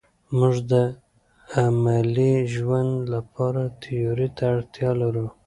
موږ د عملي ژوند لپاره تیوري ته اړتیا لرو.